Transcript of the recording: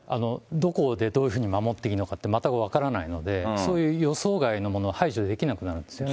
どこでどういうふうに守っていいのかって、全く分からないので、そういう予想外のものを排除できなくなるんですよね。